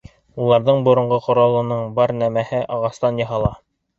Уларҙың боронғо ҡоралының бар нәмәһе ағастан яһала.